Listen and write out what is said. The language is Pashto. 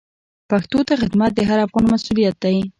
پښتو ته خدمت د هر افغان مسوولیت دی.